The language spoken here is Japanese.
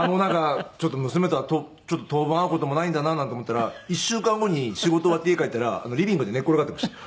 娘とは当分会う事もないんだななんて思ってたら１週間後に仕事終わって家帰ったらリビングで寝転がってました。